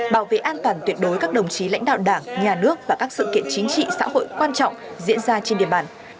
bảo vệ an toàn tuyệt đối các đồng chí lãnh đạo đảng nhà nước và các sự kiện chính trị xã hội quan trọng diễn ra trên địa bàn